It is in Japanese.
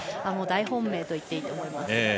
大本命といっていいと思います。